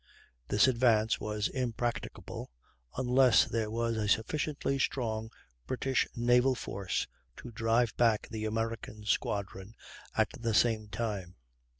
This advance was impracticable unless there was a sufficiently strong British naval force to drive back the American squadron at the same time.